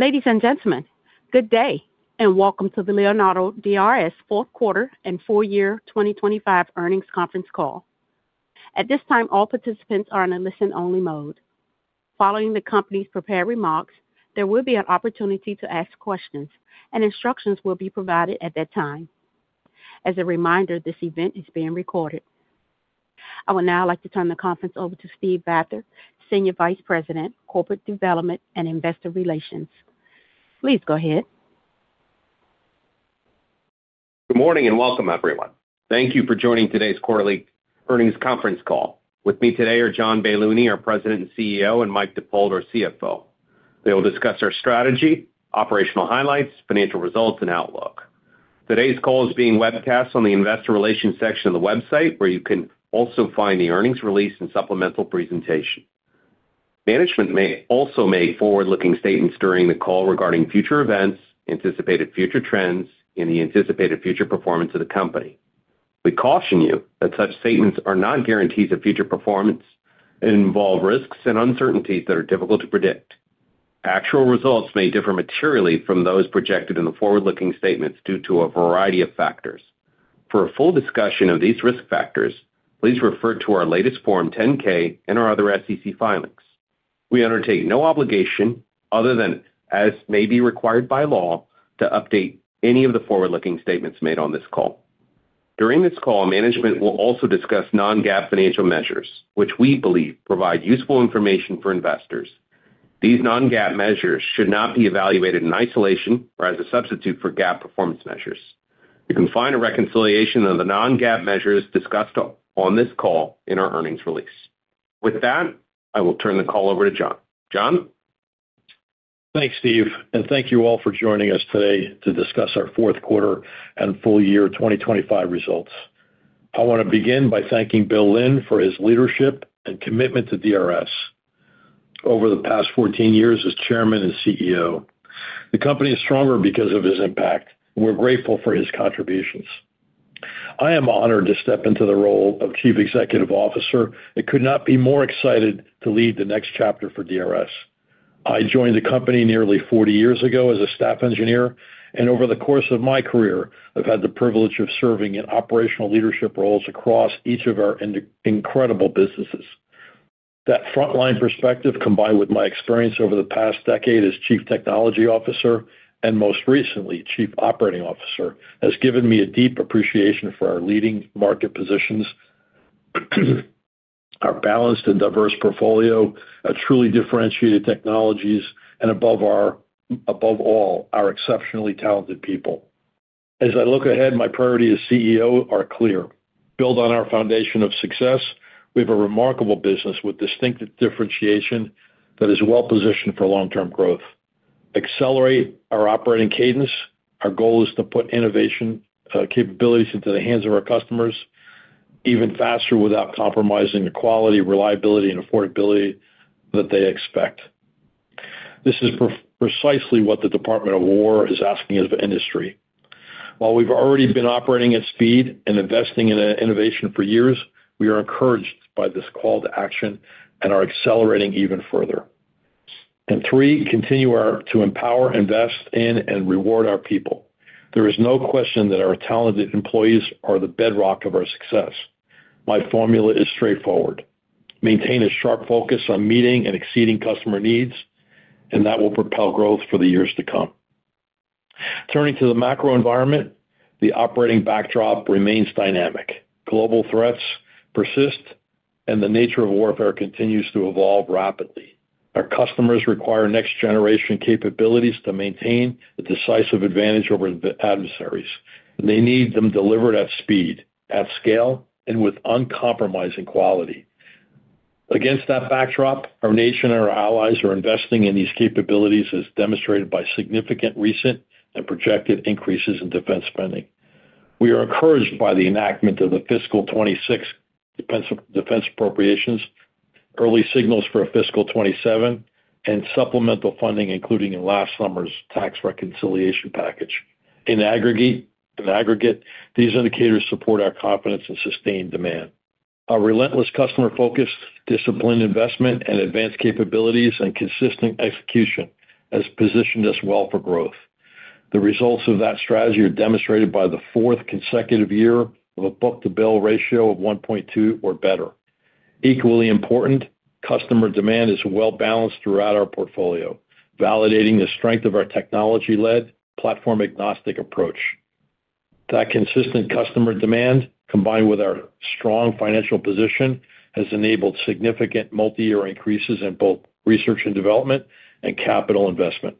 Ladies and gentlemen, good day, and welcome to the Leonardo DRS Q4 and full year 2025 earnings conference call. At this time, all participants are in a listen-only mode. Following the company's prepared remarks, there will be an opportunity to ask questions, and instructions will be provided at that time. As a reminder, this event is being recorded. I would now like to turn the conference over to Steve Vather, Senior Vice President, Corporate Development and Investor Relations. Please go ahead. Good morning, and welcome, everyone. Thank you for joining today's quarterly earnings conference call. With me today are John Baylouny, our President and CEO, and Michael Dippold, our CFO. They will discuss our strategy, operational highlights, financial results, and outlook. Today's call is being webcast on the investor relations section of the website, where you can also find the earnings release and supplemental presentation. Management may also make forward-looking statements during the call regarding future events, anticipated future trends, and the anticipated future performance of the company. We caution you that such statements are not guarantees of future performance and involve risks and uncertainties that are difficult to predict. Actual results may differ materially from those projected in the forward-looking statements due to a variety of factors. For a full discussion of these risk factors, please refer to our latest Form 10-K and our other SEC filings. We undertake no obligation other than as may be required by law, to update any of the forward-looking statements made on this call. During this call, management will also discuss non-GAAP financial measures, which we believe provide useful information for investors. These non-GAAP measures should not be evaluated in isolation or as a substitute for GAAP performance measures. You can find a reconciliation of the non-GAAP measures discussed on this call in our earnings release. With that, I will turn the call over to John. John? Thanks, Steve, thank you all for joining us today to discuss our Q4 and full year 2025 results. I want to begin by thanking Bill Lynn for his leadership and commitment to DRS over the past 14 years as chairman and CEO. The company is stronger because of his impact. We're grateful for his contributions. I am honored to step into the role of chief executive officer and could not be more excited to lead the next chapter for DRS. I joined the company nearly 40 years ago as a staff engineer, and over the course of my career, I've had the privilege of serving in operational leadership roles across each of our incredible businesses. That frontline perspective, combined with my experience over the past decade as Chief Technology Officer and most recently, Chief Operating Officer, has given me a deep appreciation for our leading market positions, our balanced and diverse portfolio, our truly differentiated technologies, and above all, our exceptionally talented people. As I look ahead, my priority as CEO are clear. Build on our foundation of success. We have a remarkable business with distinctive differentiation that is well positioned for long-term growth. Accelerate our operating cadence. Our goal is to put innovation capabilities into the hands of our customers even faster, without compromising the quality, reliability, and affordability that they expect. This is precisely what the Department of War is asking of industry. While we've already been operating at speed and investing in innovation for years, we are encouraged by this call to action and are accelerating even further. Three, continue to empower, invest in, and reward our people. There is no question that our talented employees are the bedrock of our success. My formula is straightforward: maintain a sharp focus on meeting and exceeding customer needs. That will propel growth for the years to come. Turning to the macro environment, the operating backdrop remains dynamic. Global threats persist. The nature of warfare continues to evolve rapidly. Our customers require next-generation capabilities to maintain a decisive advantage over the adversaries. They need them delivered at speed, at scale, and with uncompromising quality. Against that backdrop, our nation and our allies are investing in these capabilities, as demonstrated by significant recent and projected increases in defense spending. We are encouraged by the enactment of the fiscal 2026 defense appropriations, early signals for a fiscal 2027 and supplemental funding, including in last summer's tax reconciliation package. In aggregate, these indicators support our confidence in sustained demand. Our relentless customer focus, disciplined investment and advanced capabilities, and consistent execution has positioned us well for growth. The results of that strategy are demonstrated by the fourth consecutive year of a book-to-bill ratio of 1.2 or better. Equally important, customer demand is well balanced throughout our portfolio, validating the strength of our technology-led, platform-agnostic approach. That consistent customer demand, combined with our strong financial position, has enabled significant multiyear increases in both research and development and capital investment.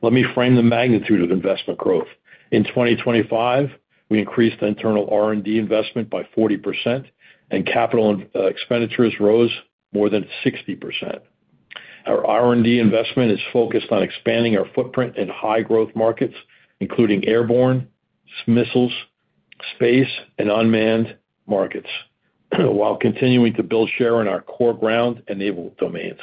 Let me frame the magnitude of investment growth. In 2025, we increased the internal R&D investment by 40%, capital expenditures rose more than 60%. Our R&D investment is focused on expanding our footprint in high-growth markets, including airborne, missiles, space, and unmanned markets, while continuing to build share in our core ground-enabled domains.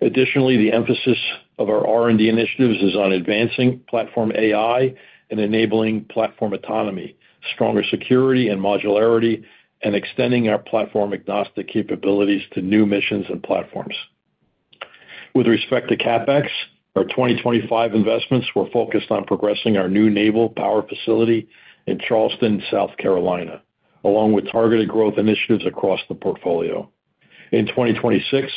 Additionally, the emphasis of our R&D initiatives is on advancing Platform AI and enabling Platform Autonomy, stronger security and modularity, and extending our platform-agnostic capabilities to new missions and platforms. With respect to CapEx, our 2025 investments were focused on progressing our new naval power facility in Charleston, South Carolina, along with targeted growth initiatives across the portfolio. In 2026,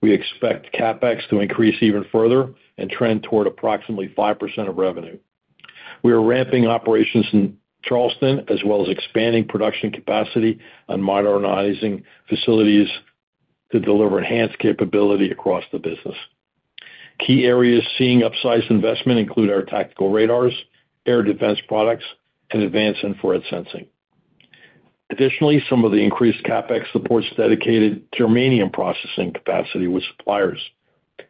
we expect CapEx to increase even further and trend toward approximately 5% of revenue. We are ramping operations in Charleston, as well as expanding production capacity and modernizing facilities to deliver enhanced capability across the business. Key areas seeing upsized investment include our tactical radars, air defense products, and advanced infrared sensing. Additionally, some of the increased CapEx supports dedicated germanium processing capacity with suppliers,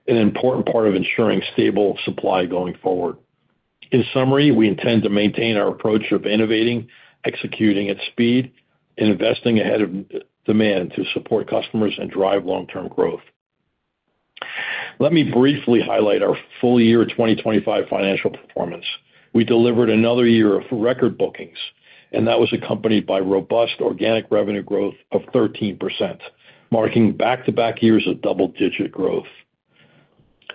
an important part of ensuring stable supply going forward. In summary, we intend to maintain our approach of innovating, executing at speed, and investing ahead of demand to support customers and drive long-term growth. Let me briefly highlight our full year 2025 financial performance. We delivered another year of record bookings, that was accompanied by robust organic revenue growth of 13%, marking back-to-back years of double-digit growth.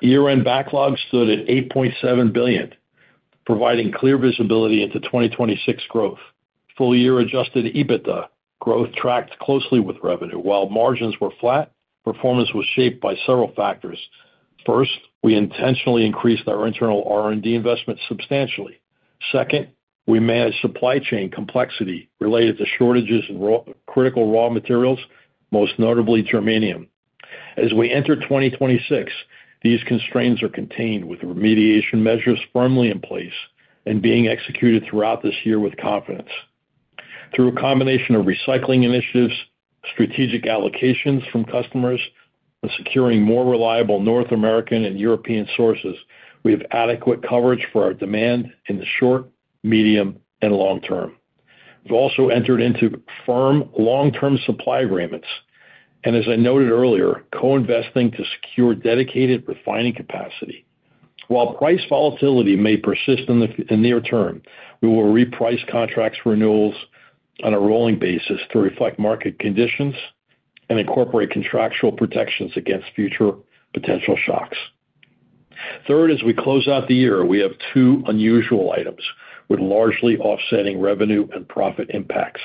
Year-end backlog stood at $8.7 billion, providing clear visibility into 2026 growth. Full year Adjusted EBITDA growth tracked closely with revenue. While margins were flat, performance was shaped by several factors. First, we intentionally increased our internal R&D investment substantially. Second, we managed supply chain complexity related to shortages in critical raw materials, most notably germanium. As we enter 2026, these constraints are contained with remediation measures firmly in place and being executed throughout this year with confidence. Through a combination of recycling initiatives, strategic allocations from customers, and securing more reliable North American and European sources, we have adequate coverage for our demand in the short, medium, and long term. We've also entered into firm long-term supply agreements. As I noted earlier, co-investing to secure dedicated refining capacity. While price volatility may persist in the near term, we will reprice contracts renewals on a rolling basis to reflect market conditions and incorporate contractual protections against future potential shocks. Third, as we close out the year, we have two unusual items with largely offsetting revenue and profit impacts.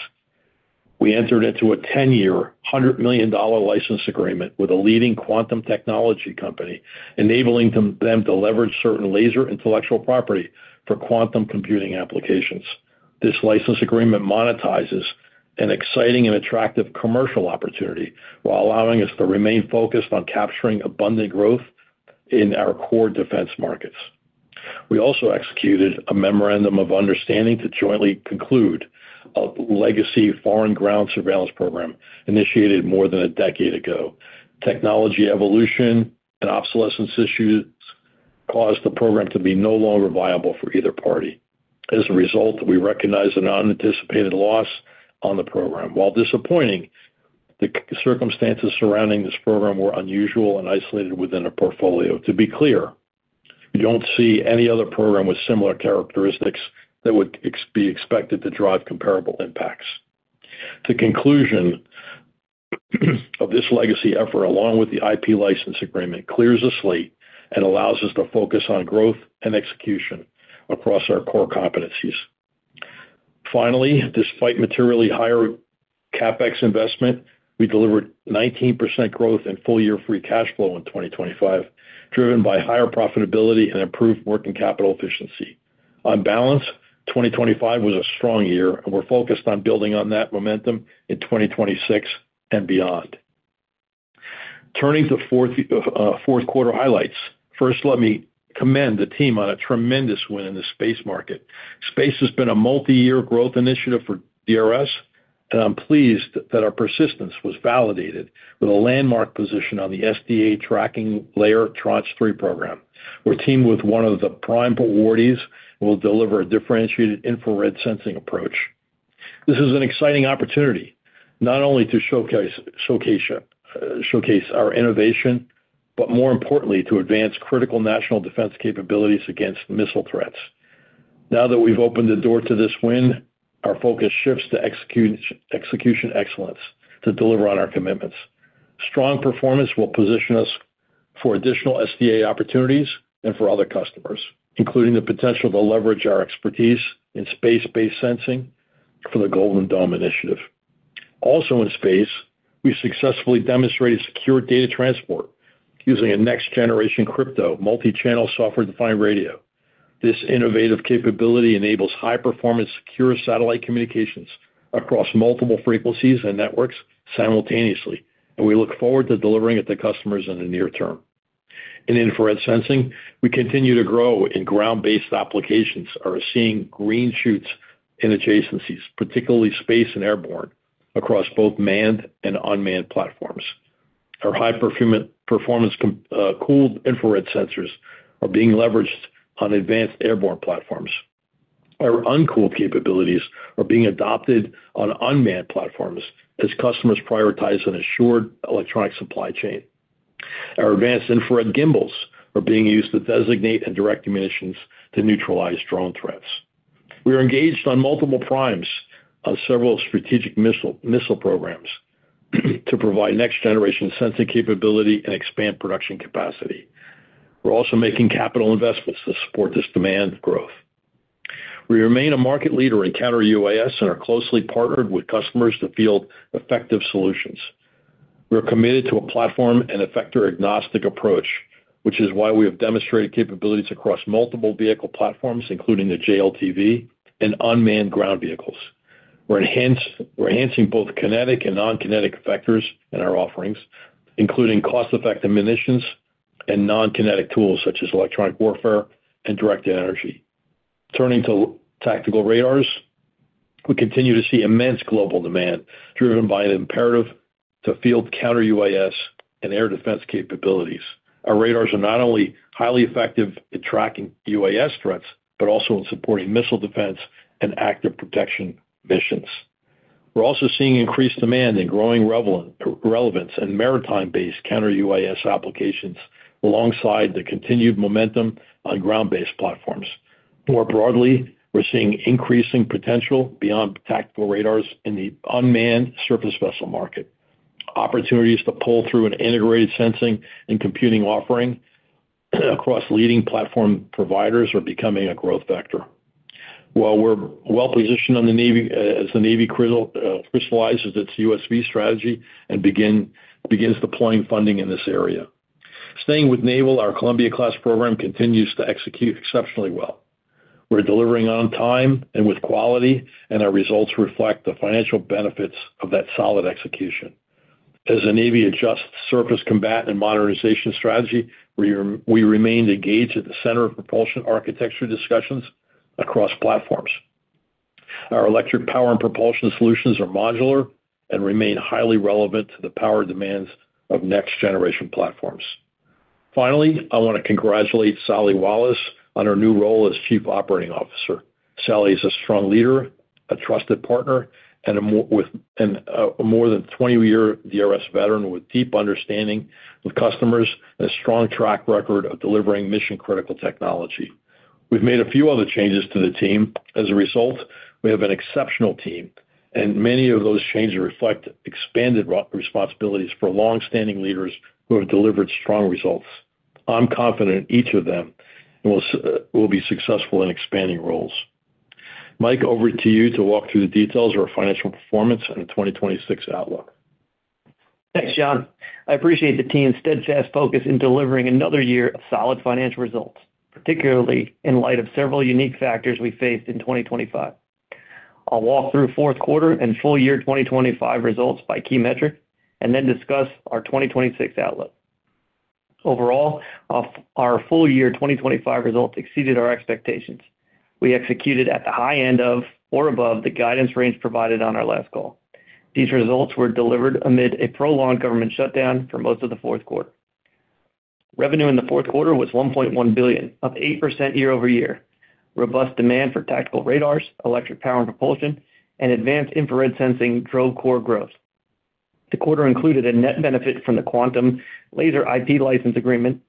We entered into a 10-year, $100 million license agreement with a leading quantum technology company, enabling them to leverage certain laser intellectual property for quantum computing applications. This license agreement monetizes an exciting and attractive commercial opportunity while allowing us to remain focused on capturing abundant growth in our core defense markets. We also executed a memorandum of understanding to jointly conclude a legacy foreign ground surveillance program initiated more than a decade ago. Technology evolution and obsolescence issues caused the program to be no longer viable for either party. As a result, we recognized an unanticipated loss on the program. While disappointing, the circumstances surrounding this program were unusual and isolated within our portfolio. To be clear, we don't see any other program with similar characteristics that would be expected to drive comparable impacts. The conclusion of this legacy effort, along with the IP license agreement, clears the slate and allows us to focus on growth and execution across our core competencies. Finally, despite materially higher CapEx investment, we delivered 19% growth in full-year free cash flow in 2025, driven by higher profitability and improved working capital efficiency. On balance, 2025 was a strong year, and we're focused on building on that momentum in 2026 and beyond. Turning to Q4 highlights. First, let me commend the team on a tremendous win in the space market. Space has been a multiyear growth initiative for DRS, and I'm pleased that our persistence was validated with a landmark position on the SDA Tracking Layer Tranche 3 program. We're teamed with one of the prime awardees and will deliver a differentiated infrared sensing approach. This is an exciting opportunity, not only to showcase our innovation, but more importantly, to advance critical national defense capabilities against missile threats. Now that we've opened the door to this win, our focus shifts to execution excellence to deliver on our commitments. Strong performance will position us for additional SDA opportunities and for other customers, including the potential to leverage our expertise in space-based sensing for the Golden Dome initiative. Also in space, we successfully demonstrated secure data transport using a next-generation crypto multi-channel software-defined radio. This innovative capability enables high-performance, secure satellite communications across multiple frequencies and networks simultaneously, and we look forward to delivering it to customers in the near term. In infrared sensing, we continue to grow in ground-based applications are seeing green shoots in adjacencies, particularly space and airborne, across both manned and unmanned platforms. Our high-performance cooled infrared sensors are being leveraged on advanced airborne platforms. Our uncooled capabilities are being adopted on unmanned platforms as customers prioritize an assured electronic supply chain. Our advanced infrared gimbals are being used to designate and direct munitions to neutralize drone threats. We are engaged on multiple primes on several strategic missile programs to provide next generation sensing capability and expand production capacity. We're also making capital investments to support this demand growth. We remain a market leader in Counter-UAS and are closely partnered with customers to field effective solutions. We're committed to a platform and effector agnostic approach, which is why we have demonstrated capabilities across multiple vehicle platforms, including the JLTV and unmanned ground vehicles. We're enhancing both kinetic and non-kinetic effectors in our offerings, including cost-effective munitions and non-kinetic tools such as electronic warfare and directed energy. Turning to tactical radars, we continue to see immense global demand, driven by an imperative to field Counter-UAS and air defense capabilities. Our radars are not only highly effective in tracking UAS threats, but also in supporting missile defense and active protection missions. We're also seeing increased demand and growing relevance in maritime-based Counter-UAS applications, alongside the continued momentum on ground-based platforms. We're seeing increasing potential beyond tactical radars in the unmanned surface vessel market. Opportunities to pull through an integrated sensing and computing offering across leading platform providers are becoming a growth factor. We're well positioned on the Navy, as the Navy crystallizes its USV strategy and begins deploying funding in this area. Staying with naval, our Columbia-class program continues to execute exceptionally well. We're delivering on time and with quality, and our results reflect the financial benefits of that solid execution. As the Navy adjusts surface combatant and modernization strategy, we remain engaged at the center of propulsion architecture discussions across platforms. Our electric power and propulsion solutions are modular and remain highly relevant to the power demands of next generation platforms. Finally, I wanna congratulate Sally Wallace on her new role as Chief Operating Officer. Sally is a strong leader, a trusted partner, and a more than 20-year DRS veteran with deep understanding of customers and a strong track record of delivering mission-critical technology. We've made a few other changes to the team. As a result, we have an exceptional team, and many of those changes reflect expanded responsibilities for longstanding leaders who have delivered strong results. I'm confident each of them will be successful in expanding roles. Michael, over to you to walk through the details of our financial performance and the 2026 outlook. Thanks, John. I appreciate the team's steadfast focus in delivering another year of solid financial results, particularly in light of several unique factors we faced in 2025. I'll walk through Q4 and full year 2025 results by key metric, and then discuss our 2026 outlook. Overall, our full year 2025 results exceeded our expectations. We executed at the high end of, or above, the guidance range provided on our last call. These results were delivered amid a prolonged government shutdown for most of the Q4. Revenue in the Q4 was $1.1 billion, up 8% year-over-year. Robust demand for tactical radars, electric power and propulsion, and advanced infrared sensing drove core growth. The quarter included a net benefit from the Quantum Laser IP license agreement,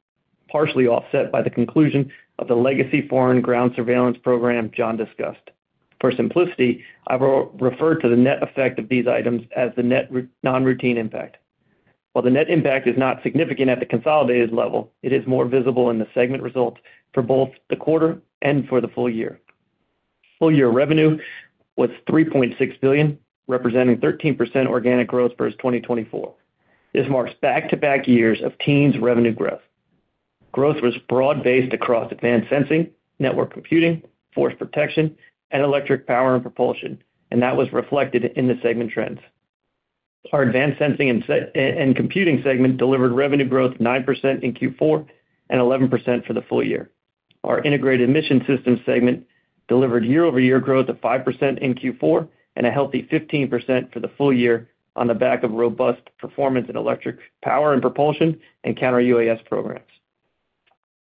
partially offset by the conclusion of the legacy foreign ground surveillance program John discussed. For simplicity, I've referred to the net effect of these items as the net non-routine impact. While the net impact is not significant at the consolidated level, it is more visible in the segment results for both the quarter and for the full year. Full year revenue was $3.6 billion, representing 13% organic growth versus 2024. This marks back-to-back years of teens' revenue growth. Growth was broad-based across advanced sensing, network computing, force protection, and electric power and propulsion, and that was reflected in the segment trends. Our Advanced Sensing and Computing segment delivered revenue growth 9% in Q4 and 11% for the full year. Our Integrated Mission Systems segment delivered year-over-year growth of 5% in Q4 and a healthy 15% for the full year on the back of robust performance in electric power and propulsion and Counter-UAS programs.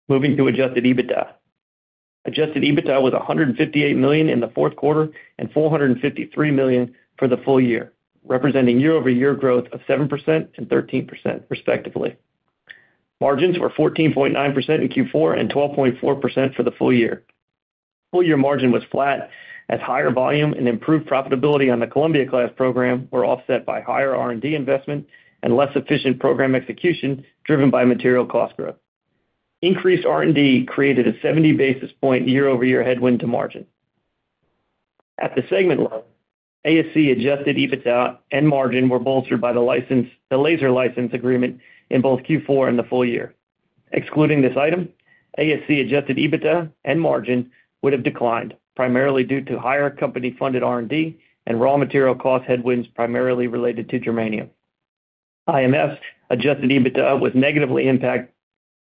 Moving to Adjusted EBITDA. Adjusted EBITDA was $158 million in the Q4 and $453 million for the full year, representing year-over-year growth of 7% and 13% respectively. Margins were 14.9% in Q4 and 12.4% for the full year. Full year margin was flat, as higher volume and improved profitability on the Columbia-class program were offset by higher R&D investment and less efficient program execution, driven by material cost growth. Increased R&D created a 70 basis point year-over-year headwind to margin. At the segment level, ASC Adjusted EBITDA and margin were bolstered by the laser license agreement in both Q4 and the full year. Excluding this item, ASC Adjusted EBITDA and margin would have declined, primarily due to higher company-funded R&D and raw material cost headwinds, primarily related to germanium. IMS Adjusted EBITDA was negatively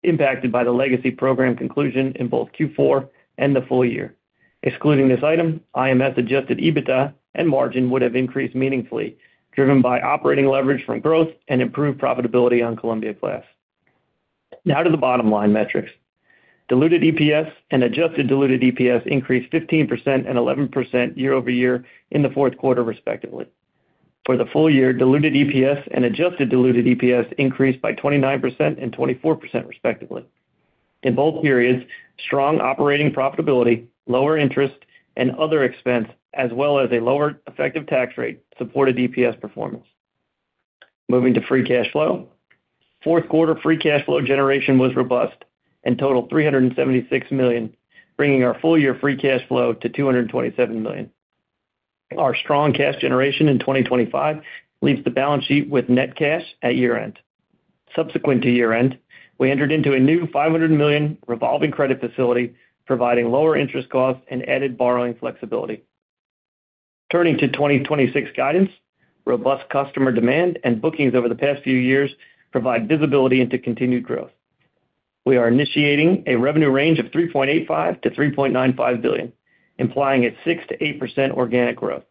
impacted by the legacy program conclusion in both Q4 and the full year. Excluding this item, IMS Adjusted EBITDA and margin would have increased meaningfully, driven by operating leverage from growth and improved profitability on Columbia-class. To the bottom line metrics. Diluted EPS and Adjusted Diluted EPS increased 15% and 11% year-over-year in the Q4, respectively. For the full year, Diluted EPS and Adjusted Diluted EPS increased by 29% and 24%, respectively. In both periods, strong operating profitability, lower interest, and other expense, as well as a lower effective tax rate, supported EPS performance. Moving to free cash flow. Q4 free cash flow generation was robust and totaled $376 million, bringing our full year free cash flow to $227 million. Our strong cash generation in 2025 leaves the balance sheet with net cash at year-end. Subsequent to year-end, we entered into a new $500 million revolving credit facility, providing lower interest costs and added borrowing flexibility. Turning to 2026 guidance, robust customer demand and bookings over the past few years provide visibility into continued growth. We are initiating a revenue range of $3.85 billion-$3.95 billion, implying a 6%-8% organic growth.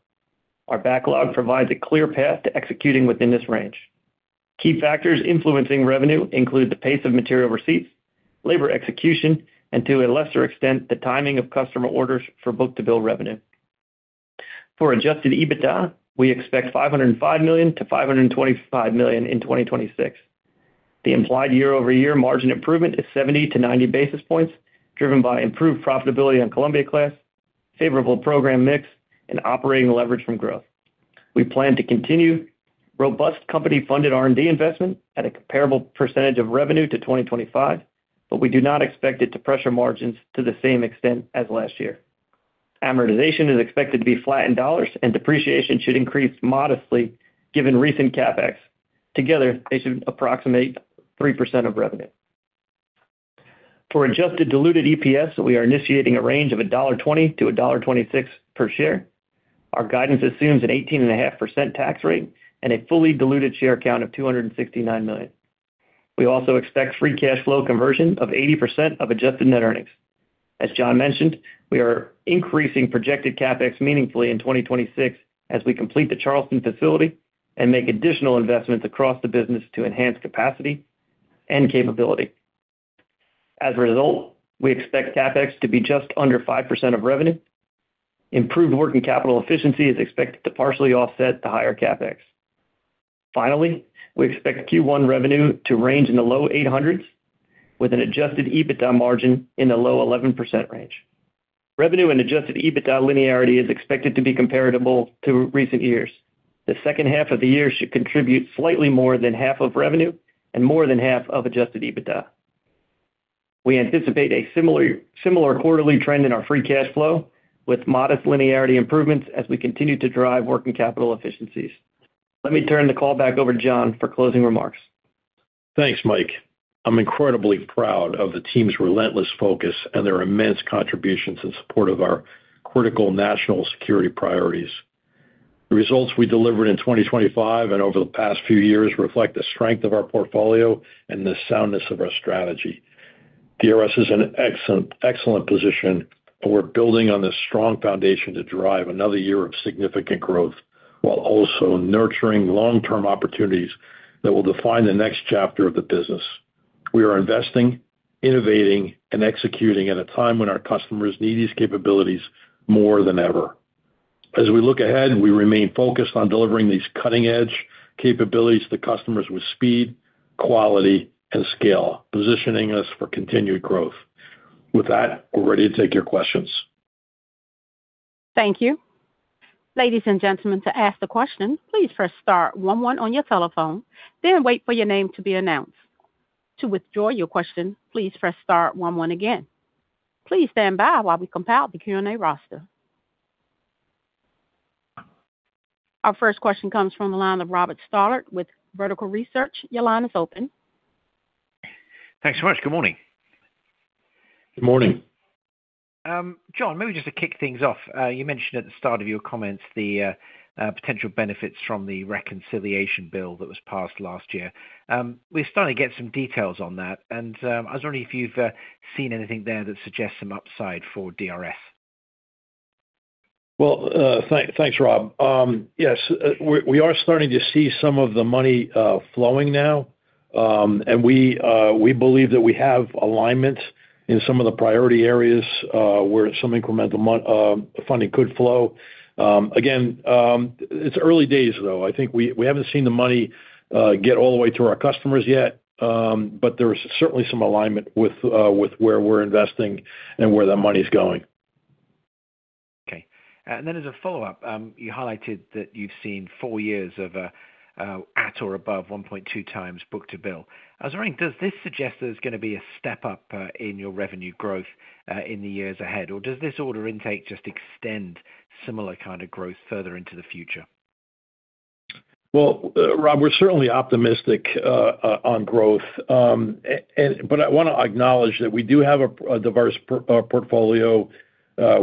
Our backlog provides a clear path to executing within this range. Key factors influencing revenue include the pace of material receipts, labor execution, and, to a lesser extent, the timing of customer orders for book-to-bill revenue. For Adjusted EBITDA, we expect $505 million-$525 million in 2026. The implied year-over-year margin improvement is 70 basis points-90 basis points, driven by improved profitability on Columbia-class, favorable program mix, and operating leverage from growth. We plan to continue robust company-funded R&D investment at a comparable percentage of revenue to 2025, but we do not expect it to pressure margins to the same extent as last year. Amortization is expected to be flat in dollars, and depreciation should increase modestly, given recent CapEx. Together, they should approximate 3% of revenue. For Adjusted Diluted EPS, we are initiating a range of $1.20-$1.26 per share. Our guidance assumes an 18.5% tax rate and a fully diluted share count of 269 million. We also expect free cash flow conversion of 80% of adjusted net earnings. As John mentioned, we are increasing projected CapEx meaningfully in 2026 as we complete the Charleston facility and make additional investments across the business to enhance capacity and capability. As a result, we expect CapEx to be just under 5% of revenue. Improved working capital efficiency is expected to partially offset the higher CapEx. Finally, we expect Q1 revenue to range in the low $800 million, with an adjusted EBITDA margin in the low 11% range. Revenue and adjusted EBITDA linearity is expected to be comparable to recent years. The H2 of the year should contribute slightly more than 1/2 of revenue and more than 1/2 of adjusted EBITDA. We anticipate a similar quarterly trend in our free cash flow, with modest linearity improvements as we continue to drive working capital efficiencies. Let me turn the call back over to John for closing remarks. Thanks, Michael. I'm incredibly proud of the team's relentless focus and their immense contributions in support of our critical national security priorities. The results we delivered in 2025 and over the past few years reflect the strength of our portfolio and the soundness of our strategy. DRS is in an excellent position, and we're building on this strong foundation to drive another year of significant growth, while also nurturing long-term opportunities that will define the next chapter of the business. We are investing, innovating, and executing at a time when our customers need these capabilities more than ever. As we look ahead, we remain focused on delivering these cutting-edge capabilities to customers with speed, quality, and scale, positioning us for continued growth. With that, we're ready to take your questions. Thank you. Ladies and gentlemen, to ask a question, please press star one one on your telephone. Wait for your name to be announced. To withdraw your question, please press star one one again. Please stand by while we compile the Q&A roster. Our first question comes from the line of Robert Stallard with Vertical Research. Your line is open. Thanks so much. Good morning. Good morning. John, maybe just to kick things off, you mentioned at the start of your comments the potential benefits from the reconciliation bill that was passed last year. We're starting to get some details on that, I was wondering if you've seen anything there that suggests some upside for DRS. Well, thanks, Robert. Yes, we are starting to see some of the money flowing now. We believe that we have alignment in some of the priority areas where some incremental funding could flow. Again, it's early days, though. I think we haven't seen the money get all the way to our customers yet, but there is certainly some alignment with where we're investing and where that money's going. Okay. As a follow-up, you highlighted that you've seen four years of at or above 1.2x book-to-bill. I was wondering, does this suggest there's going to be a step-up in your revenue growth in the years ahead, or does this order intake just extend similar kind of growth further into the future? Well, Robert, we're certainly optimistic on growth. I want to acknowledge that we do have a diverse portfolio.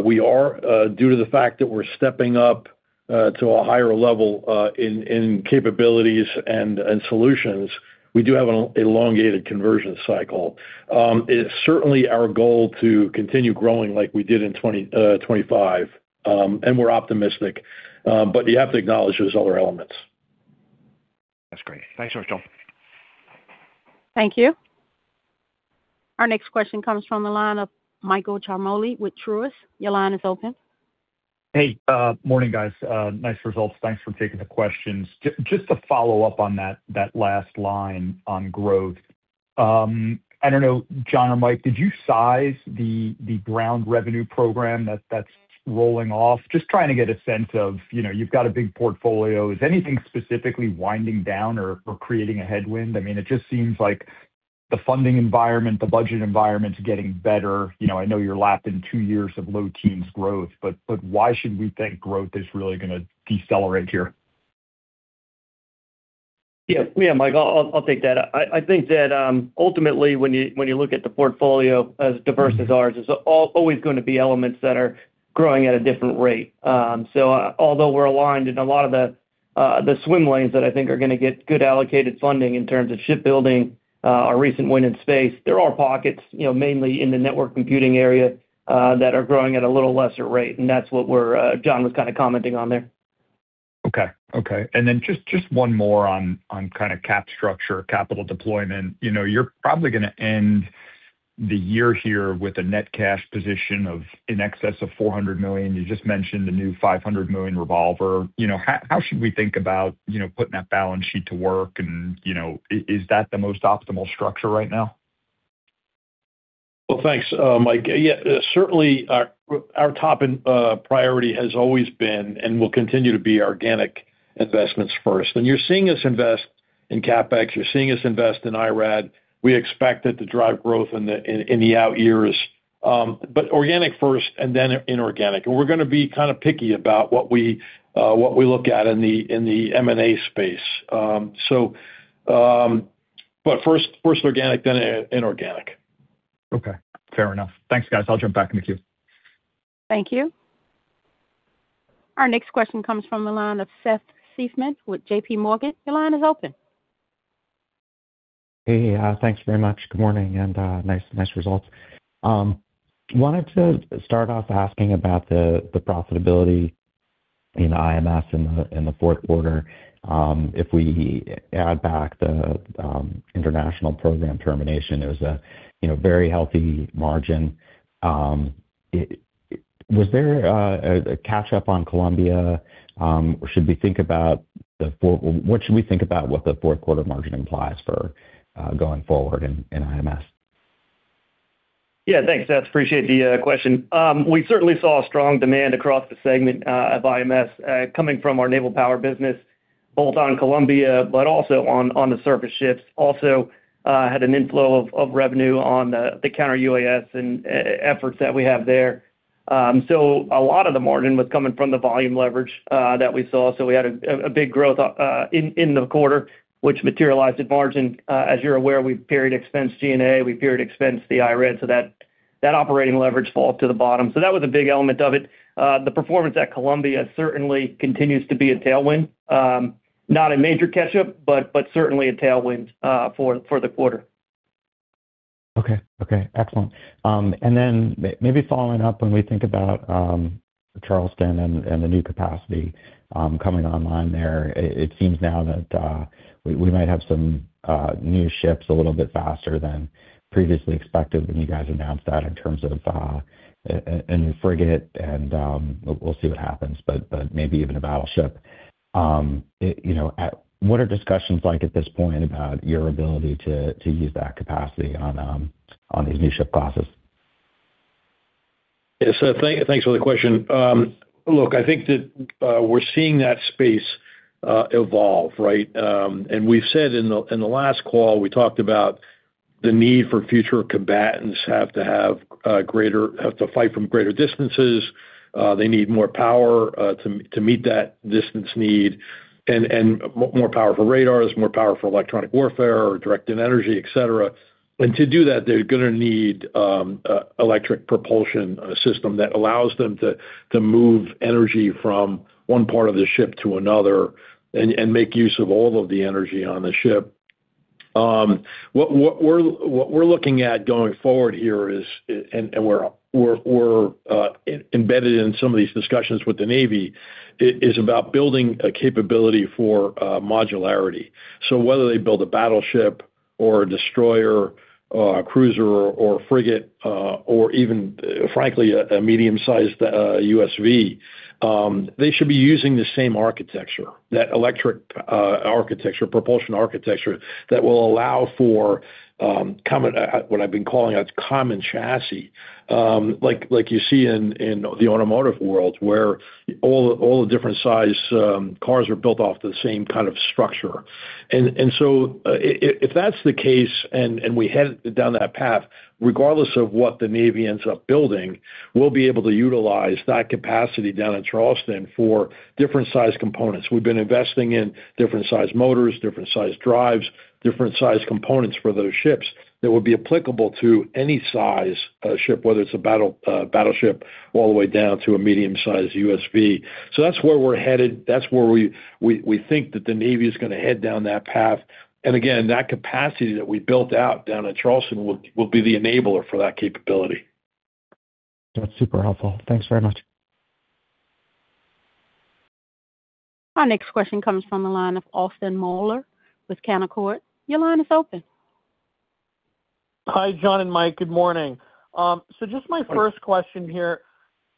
We are due to the fact that we're stepping up to a higher level in capabilities and solutions, we do have an elongated conversion cycle. It's certainly our goal to continue growing like we did in 2025, and we're optimistic, but you have to acknowledge those other elements. That's great. Thanks so much, John. Thank you. Our next question comes from the line of Michael Ciarmoli with Truist. Your line is open. Morning, guys. Nice results. Thanks for taking the questions. Just to follow up on that last line on growth. I don't know, John or Michael, did you size the ground revenue program that's rolling off? Just trying to get a sense of, you know, you've got a big portfolio. Is anything specifically winding down or creating a headwind? I mean, it just seems like the funding environment, the budget environment is getting better. You know, I know you're lapping two years of low teens growth, but why should we think growth is really gonna decelerate here? Yeah. Yeah, Michael, I'll take that. I think that, ultimately, when you, when you look at the portfolio as diverse as ours, there's always gonna be elements that are growing at a different rate. Although we're aligned in a lot of the swim lanes that I think are gonna get good allocated funding in terms of shipbuilding, our recent win in space, there are pockets, you know, mainly in the network computing area, that are growing at a little lesser rate, and that's what we're. John was kind of commenting on there. Okay. Okay. Just one more on kind of Cap structure, capital deployment. You know, you're probably gonna end the year here with a net cash position of in excess of $400 million. You just mentioned the new $500 million revolver. You know, how should we think about, you know, putting that balance sheet to work? You know, is that the most optimal structure right now? Thanks, Michael. Yeah, certainly, our top priority has always been and will continue to be organic investments first. You're seeing us invest in CapEx, you're seeing us invest in IRAD. We expect it to drive growth in the out years. But organic first and then inorganic. We're gonna be kind of picky about what we look at in the M&A space. First organic, then inorganic. Okay, fair enough. Thanks, guys. I'll jump back in the queue. Thank you. Our next question comes from the line of Seth Seifman with JP Morgan. Your line is open. Hey, thanks very much. Good morning, nice results. Wanted to start off asking about the profitability in IMS in the Q4. If we add back the international program termination, it was a, you know, very healthy margin. Was there a catch up on Columbia? Should we think about what the Q4 margin implies for going forward in IMS? Yeah, thanks, Seth. Appreciate the question. We certainly saw strong demand across the segment of IMS, coming from our naval power business, both on Columbia but also on the surface ships. Also, had an inflow of revenue on the Counter-UAS and efforts that we have there. A lot of the margin was coming from the volume leverage that we saw. We had a big growth in the quarter, which materialized in margin. As you're aware, we period expense G&A, we period expense the IRAD, so that operating leverage falls to the bottom. That was a big element of it. The performance at Columbia certainly continues to be a tailwind. Not a major catch-up, but certainly a tailwind for the quarter. Okay. Okay, excellent. Then maybe following up, when we think about Charleston and the new capacity coming online there, it seems now that we might have some new ships a little bit faster than previously expected when you guys announced that in terms of a and frigate, and we'll see what happens, but maybe even a battleship. It, you know, what are discussions like at this point about your ability to use that capacity on these new ship classes? Yeah, Seth, thanks for the question. Look, I think that we're seeing that space evolve, right? We've said in the last call, we talked about the need for future combatants have to fight from greater distances. They need more power to meet that distance need and more powerful radars, more powerful electronic warfare or directed energy, et cetera. To do that, they're gonna need electric propulsion system that allows them to move energy from one part of the ship to another and make use of all of the energy on the ship. What we're looking at going forward here is, and we're embedded in some of these discussions with the Navy, is about building a capability for modularity. Whether they build a battleship or a destroyer or a cruiser or a frigate, or even, frankly, a medium-sized USV, they should be using the same architecture, that electric architecture, propulsion architecture, that will allow for common. What I've been calling a common chassis, like you see in the automotive world, where all the different size cars are built off the same kind of structure. If that's the case and we head down that path, regardless of what the Navy ends up building, we'll be able to utilize that capacity down in Charleston for different-sized components. We've been investing in different-sized motors, different-sized drives, different-sized components for those ships that would be applicable to any size ship, whether it's a battleship, all the way down to a medium-sized USV. That's where we're headed. That's where we think that the Navy is gonna head down that path. Again, that capacity that we built out down in Charleston will be the enabler for that capability. That's super helpful. Thanks very much. Our next question comes from the line of Austin Moeller with Canaccord. Your line is open. Hi, John and Michael. Good morning. Just my first question here,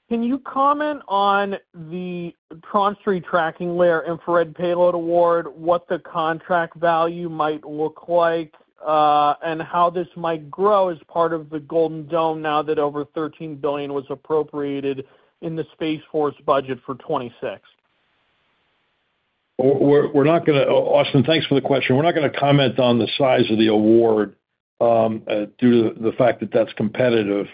can you comment on the Tranche 3 Tracking Layer Infrared Payload award, what the contract value might look like, how this might grow as part of the Golden Dome now that over $13 billion was appropriated in the Space Force budget for 2026? We're not gonna... Austin, thanks for the question. We're not gonna comment on the size of the award, due to the fact that that's competitive.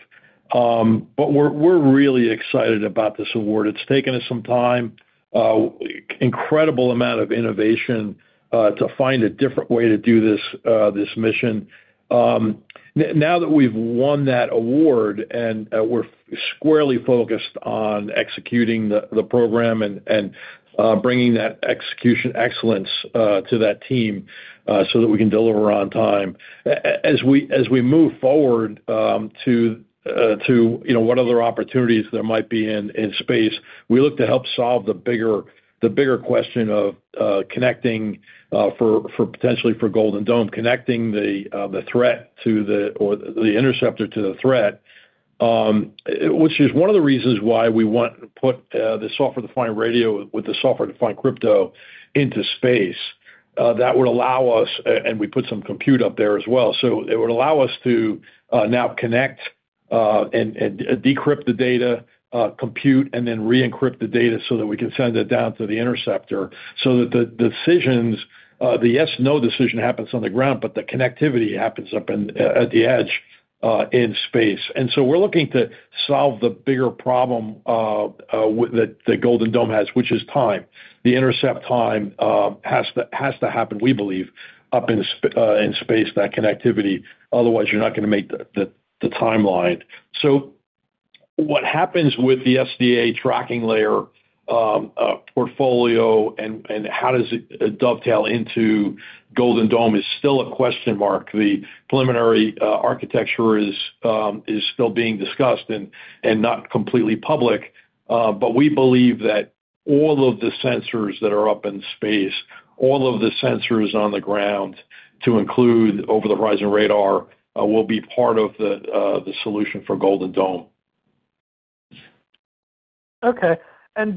We're really excited about this award. It's taken us some time, incredible amount of innovation, to find a different way to do this mission. Now that we've won that award and we're squarely focused on executing the program and bringing that execution excellence to that team, so that we can deliver on time. As we move forward, to, you know, what other opportunities there might be in space, we look to help solve the bigger, the bigger question of connecting, for potentially for Golden Dome, connecting the threat to the, or the interceptor to the threat. Which is one of the reasons why we want to put the software-defined radio with the software-defined crypto into space. That would allow us, and we put some compute up there as well. It would allow us to now connect and decrypt the data, compute, and then re-encrypt the data so that we can send it down to the interceptor, so that the decisions, the yes, no decision happens on the ground, but the connectivity happens up at the edge in space. We're looking to solve the bigger problem with the, that Golden Dome has, which is time. The intercept time has to happen, we believe, up in space, that connectivity. Otherwise, you're not gonna make the timeline. What happens with the SDA Tracking Layer portfolio and how does it dovetail into Golden Dome is still a question mark. The preliminary architecture is still being discussed and not completely public. We believe that all of the sensors that are up in space, all of the sensors on the ground, to include over-the-horizon radar, will be part of the solution for Golden Dome.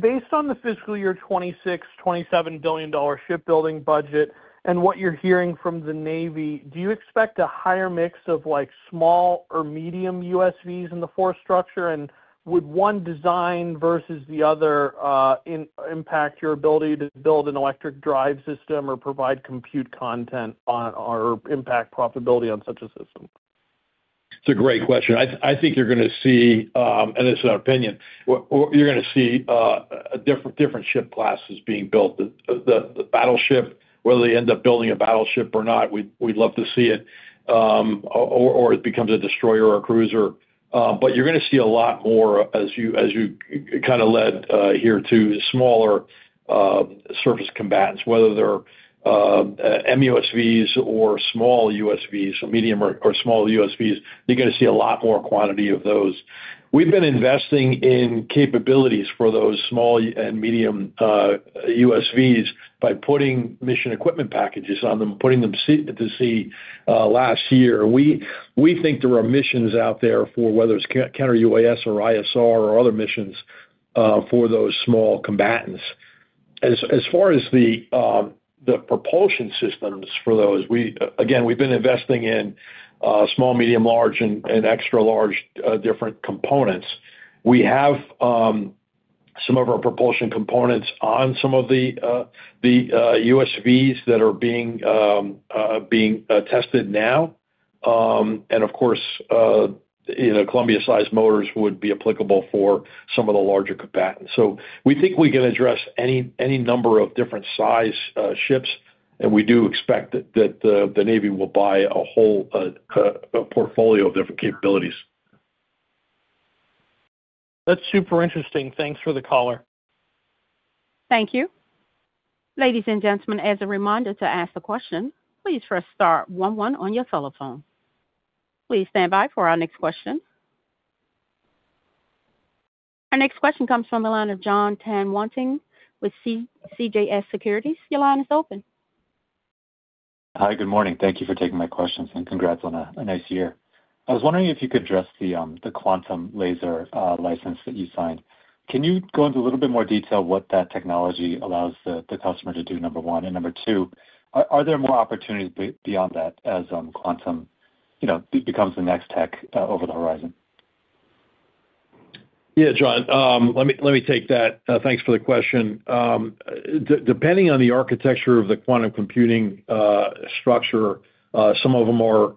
Based on the fiscal year 2026, $27 billion shipbuilding budget and what you're hearing from the United States Navy, do you expect a higher mix of, like, small or medium USVs in the force structure? Would one design versus the other impact your ability to build an electric drive system or provide compute content on, or impact profitability on such a system? It's a great question. I think you're gonna see, this is our opinion, you're gonna see a different ship classes being built. The battleship, whether they end up building a battleship or not, we'd love to see it, or it becomes a destroyer or a cruiser. You're gonna see a lot more as you kind of led here to smaller surface combatants, whether they're M-USVs or small USVs, medium or small USVs, you're gonna see a lot more quantity of those. We've been investing in capabilities for those small and medium USVs by putting mission equipment packages on them, putting them to sea last year. We think there are missions out there for whether it's Counter-UAS or ISR or other missions for those small combatants. As far as the propulsion systems for those, we, again, we've been investing in small, medium, large, and extra large different components. We have some of our propulsion components on some of the USVs that are being tested now. And of course, you know, Columbia-sized motors would be applicable for some of the larger combatants. We think we can address any number of different size ships, and we do expect that the Navy will buy a whole portfolio of different capabilities. That's super interesting. Thanks for the caller. Thank you. Ladies and gentlemen, as a reminder to ask a question, please press star one one on your telephone. Please stand by for our next question. Our next question comes from the line of Jonathan Tanwanteng with CJS Securities. Your line is open. Hi, good morning. Thank you for taking my questions, and congrats on a nice year. I was wondering if you could address the Quantum laser license that you signed. Can you go into a little bit more detail what that technology allows the customer to do, number one? Number two, are there more opportunities beyond that as quantum, you know, becomes the next tech over the horizon? Yeah, John, let me take that. Thanks for the question. Depending on the architecture of the quantum computing structure, some of them are,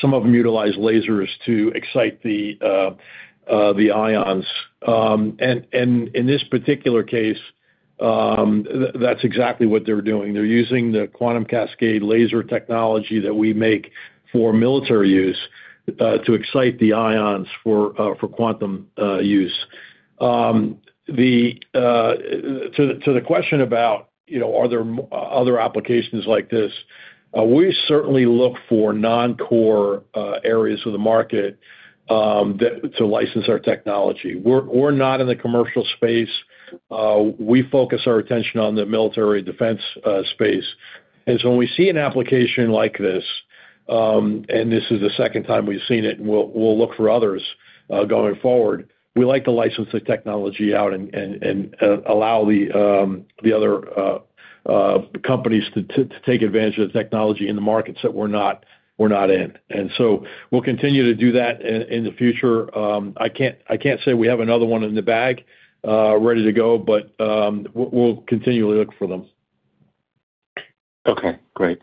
some of them utilize lasers to excite the ions. In this particular case, that's exactly what they're doing. They're using the Quantum Cascade Laser technology that we make for military use to excite the ions for quantum use. To the question about, you know, are there other applications like this? We certainly look for non-core areas of the market to license our technology. We're not in the commercial space. We focus our attention on the military defense space. When we see an application like this... This is the second time we've seen it, and we'll look for others going forward. We like to license the technology out and allow the other companies to take advantage of the technology in the markets that we're not in. We'll continue to do that in the future. I can't say we have another one in the bag ready to go, but we'll continually look for them. Okay, great.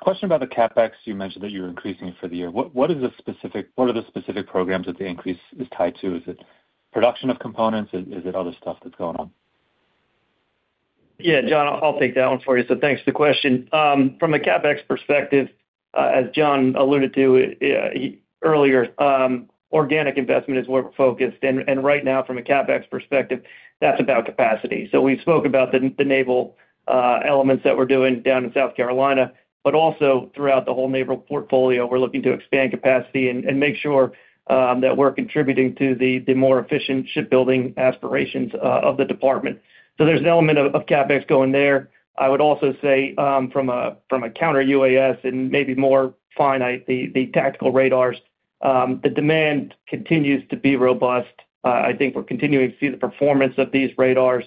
question about the CapEx. You mentioned that you're increasing for the year. What are the specific programs that the increase is tied to? Is it production of components? Is it other stuff that's going on? Yeah, Jonathan, I'll take that one for you. Thanks for the question. From a CapEx perspective, as John alluded to earlier, organic investment is where we're focused, and right now, from a CapEx perspective, that's about capacity. We've spoke about the naval elements that we're doing down in South Carolina, but also throughout the whole naval portfolio, we're looking to expand capacity and make sure that we're contributing to the more efficient shipbuilding aspirations of the Department. There's an element of CapEx going there. I would also say, from a counter-UAS and maybe more finite, the tactical radars, the demand continues to be robust. I think we're continuing to see the performance of these radars,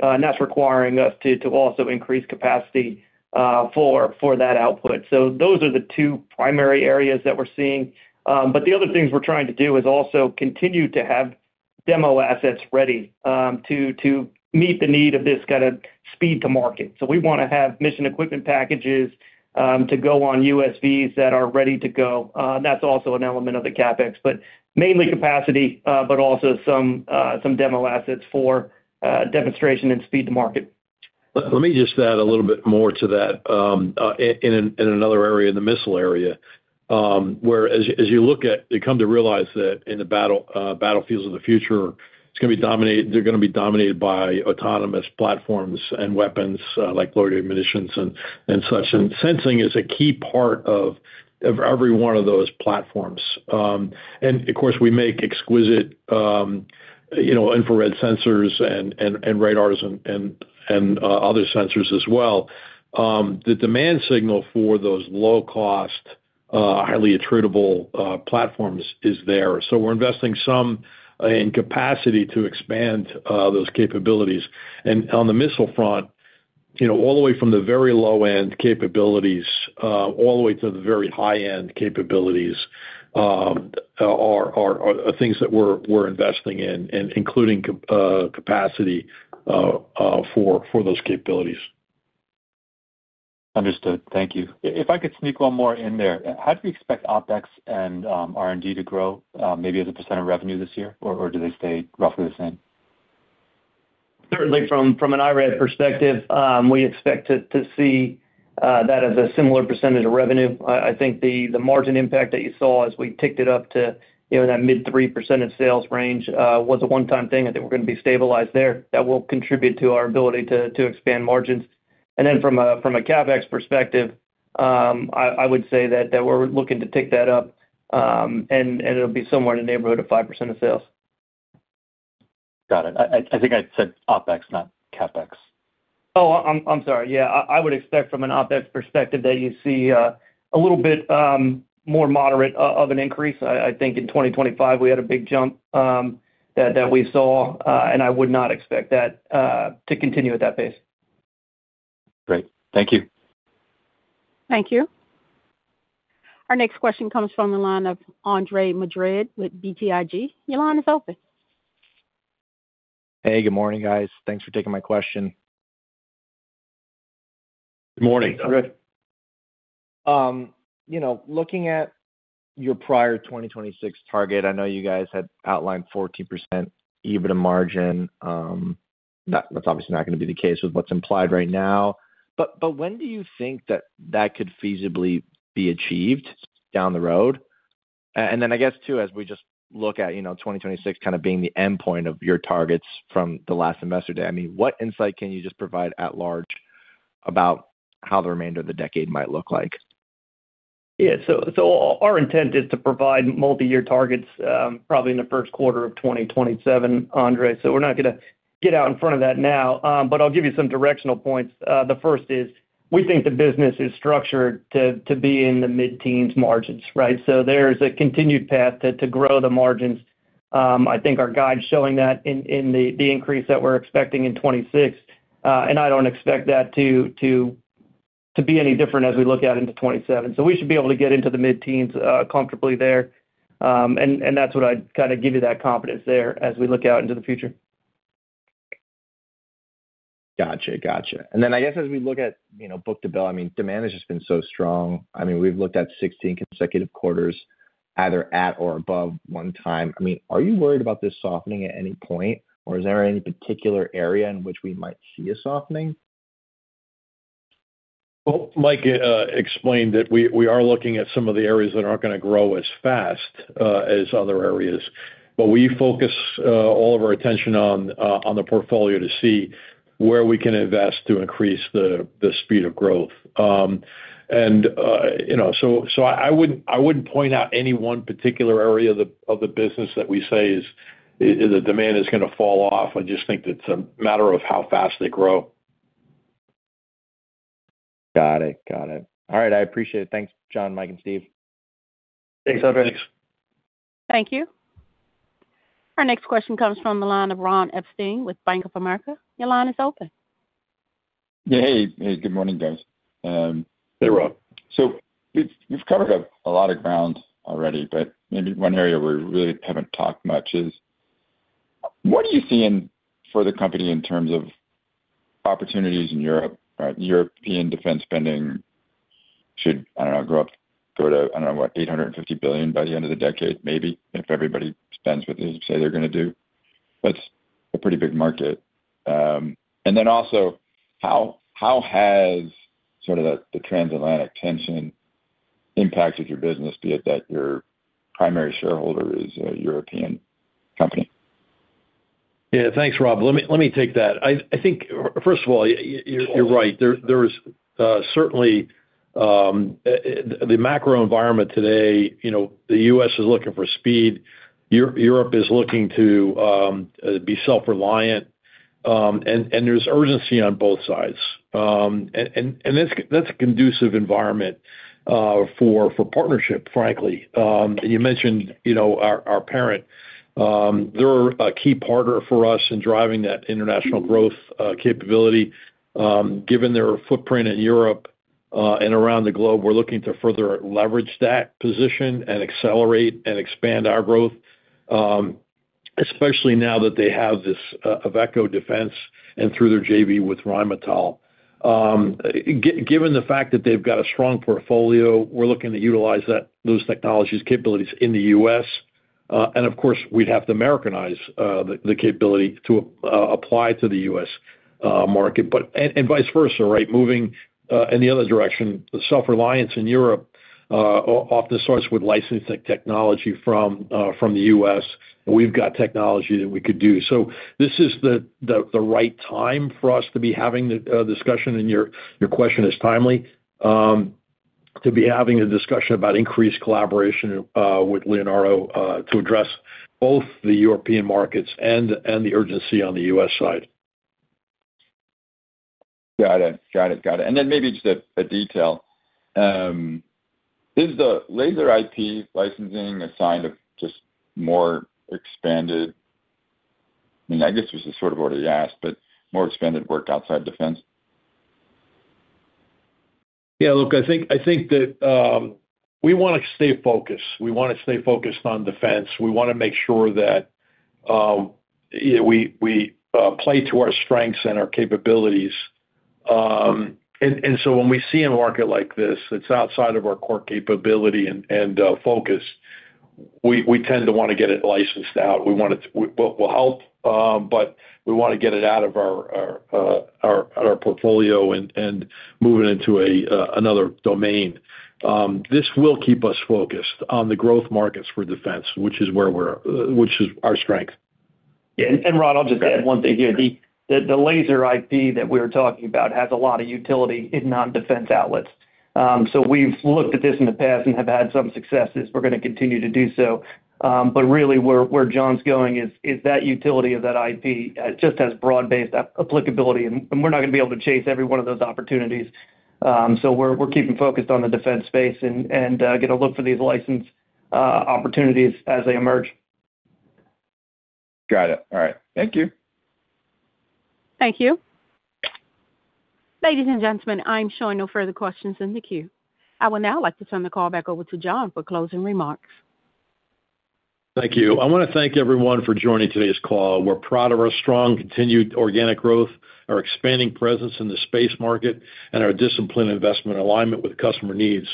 and that's requiring us to also increase capacity for that output. Those are the two primary areas that we're seeing. The other things we're trying to do is also continue to have demo assets ready to meet the need of this kind of speed to market. We wanna have mission equipment packages to go on USVs that are ready to go. That's also an element of the CapEx, but mainly capacity, but also some demo assets for demonstration and speed to market. Let me just add a little bit more to that in another area, in the missile area, where as you look at, you come to realize that in the battlefields of the future, they're gonna be dominated by autonomous platforms and weapons, like loitering munitions and such. Sensing is a key part of every one of those platforms. Of course, we make exquisite, you know, infrared sensors and radars and other sensors as well. The demand signal for those low-cost, highly attritable platforms is there. We're investing some in capacity to expand those capabilities. On the missile front, you know, all the way from the very low-end capabilities, all the way to the very high-end capabilities, are things that we're investing in, and including capacity for those capabilities. Understood. Thank you. If I could sneak one more in there. How do we expect OpEx and R&D to grow, maybe as a percent of revenue this year? Or do they stay roughly the same? Certainly, from an IRAD perspective, we expect to see that as a similar percentage of revenue. I think the margin impact that you saw as we ticked it up to, you know, that mid 3% of sales range was a one-time thing. I think we're gonna be stabilized there. That will contribute to our ability to expand margins. From a CapEx perspective, I would say that we're looking to tick that up, and it'll be somewhere in the neighborhood of 5% of sales. Got it. I think I said OpEx, not CapEx. I'm sorry. I would expect from an OpEx perspective that you'd see a little bit more moderate of an increase. I think in 2025, we had a big jump that we saw, and I would not expect that to continue at that pace. Great. Thank you. Thank you. Our next question comes from the line of Andre Madrid with BTIG. Your line is open. Hey, good morning, guys. Thanks for taking my question. Good morning. Good. you know, looking at your prior 2026 target, I know you guys had outlined 14% EBITDA margin. That's obviously not gonna be the case with what's implied right now. When do you think that that could feasibly be achieved down the road? Then I guess, too, as we just look at, you know, 2026 kind of being the endpoint of your targets from the last Investor Day, I mean, what insight can you just provide at large about how the remainder of the decade might look like? Yeah. Our intent is to provide multi-year targets, probably in the Q1 of 2027, Andre. We're not gonna get out in front of that now, I'll give you some directional points. The first is, we think the business is structured to be in the mid-teens margins, right? There's a continued path to grow the margins. I think our guide is showing that in the increase that we're expecting in 2026, I don't expect that to be any different as we look out into 2027. We should be able to get into the mid-teens comfortably there. And that's what I'd kind of give you that confidence there as we look out into the future. Gotcha. Gotcha. Then I guess as we look at, you know, book-to-bill, I mean, demand has just been so strong. I mean, we've looked at 16 consecutive quarters, either at or above one time. I mean, are you worried about this softening at any point, or is there any particular area in which we might see a softening? Well, Mike explained that we are looking at some of the areas that aren't gonna grow as fast as other areas, but we focus all of our attention on the portfolio to see where we can invest to increase the speed of growth. You know, so I wouldn't point out any one particular area of the business that we say is the demand is gonna fall off. I just think it's a matter of how fast they grow. Got it. Got it. All right, I appreciate it. Thanks, John, Michael, and Steve. Thanks, everybody. Thank you. Our next question comes from the line of Ronald Epstein with Bank of America. Your line is open. Hey. Hey, good morning, guys. Hey, Ronald. You've, you've covered a lot of ground already, but maybe one area we really haven't talked much is, what are you seeing for the company in terms of opportunities in Europe, right? European defense spending should, I don't know, go up, go to, I don't know, what, $850 billion by the end of the decade, maybe, if everybody spends what they say they're gonna do. That's a pretty big market. Also, how has sort of the transatlantic tension impacted your business, be it that your primary shareholder is a European company? Yeah. Thanks, Ronald. Let me take that. I think, first of all, you're right. There is certainly the macro environment today, you know, the U.S. is looking for speed. Europe is looking to be self-reliant, and there's urgency on both sides. That's a conducive environment for partnership, frankly. You mentioned, you know, our parent. They're a key partner for us in driving that international growth capability. Given their footprint in Europe and around the globe, we're looking to further leverage that position and accelerate and expand our growth, especially now that they have this Iveco Defence and through their JV with Rheinmetall. Given the fact that they've got a strong portfolio, we're looking to utilize that, those technologies capabilities in the U.S., and of course, we'd have to Americanize the capability to apply to the U.S. market. Vice versa, right? Moving in the other direction, self-reliance in Europe, often starts with licensing technology from the U.S., and we've got technology that we could do. This is the right time for us to be having the discussion, and your question is timely to be having a discussion about increased collaboration with Leonardo to address both the European markets and the urgency on the U.S. side. Got it. Got it, got it. Maybe just a detail. Is the laser IP licensing a sign of just more expanded, I mean, I guess this is sort of what I asked, but more expanded work outside defense? Look, I think that we wanna stay focused. We wanna stay focused on defense. We wanna make sure that we play to our strengths and our capabilities. When we see a market like this, that's outside of our core capability and focus, we tend to wanna get it licensed out. We, well, we'll help, but we wanna get it out of our portfolio and move it into another domain. This will keep us focused on the growth markets for defense, which is where we're, which is our strength. Yeah, Ronald, I'll just add one thing here. The laser IP that we're talking about has a lot of utility in non-defense outlets. We've looked at this in the past and have had some successes. We're gonna continue to do so. Really, John's going is that utility of that IP just has broad-based applicability, and we're not gonna be able to chase every one of those opportunities. We're keeping focused on the defense space and get a look for these license opportunities as they emerge. Got it. All right. Thank you. Thank you. Ladies and gentlemen, I'm showing no further questions in the queue. I would now like to turn the call back over to John for closing remarks. Thank you. I wanna thank everyone for joining today's call. We're proud of our strong, continued organic growth, our expanding presence in the space market, and our disciplined investment alignment with customer needs.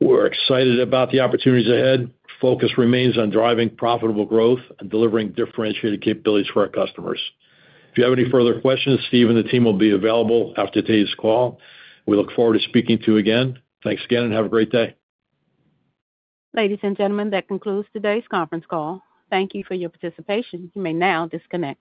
We're excited about the opportunities ahead. Focus remains on driving profitable growth and delivering differentiated capabilities for our customers. If you have any further questions, Steve and the team will be available after today's call. We look forward to speaking to you again. Thanks again, and have a great day. Ladies and gentlemen, that concludes today's conference call. Thank you for your participation. You may now disconnect.